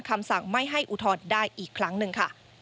คำสั่งไม่ให้อุทธรณ์ได้อีกครั้งหนึ่งค่ะ